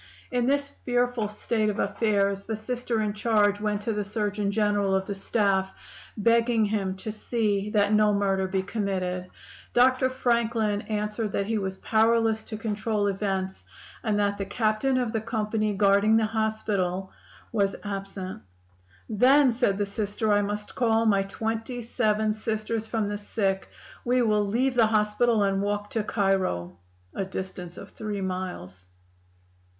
"In this fearful state of affairs the Sister in charge went to the Surgeon General of the staff, begging him to see that no murder be committed. Dr. Franklin answered that he was powerless to control events, and that the captain of the company guarding the hospital was absent. "'Then,' said the Sister, 'I must call my twenty seven Sisters from the sick; we will leave the hospital, and walk to Cairo.' (A distance of three miles.)